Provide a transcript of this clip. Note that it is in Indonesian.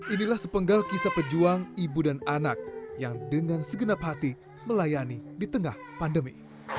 inilah sepenggal kisah pejuang ibu dan anak yang dengan segenap hati melayani di tengah pandemi